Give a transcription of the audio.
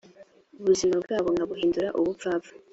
ubuzima bwabo nkabuhindura ubupfapfa